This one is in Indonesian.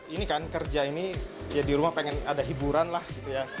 ini kan kerja ini ya di rumah pengen ada hiburan lah gitu ya